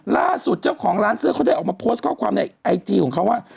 ล่าสุดเจ้าของร้านเสื้อเขาได้ออกมาโพสต์ข้อความในไอจีของเขาว่า